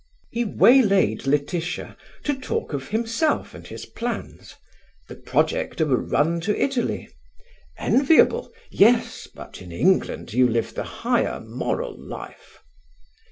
He waylaid Laetitia, to talk of himself and his plans: the project of a run to Italy. Enviable? Yes, but in England you live the higher moral life.